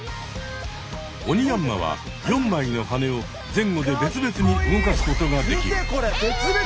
オニヤンマは４まいのはねを前後で別々に動かすことができる。